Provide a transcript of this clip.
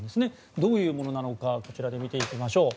どういうものなのか見ていきいましょう。